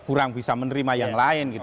kurang bisa menerima yang lain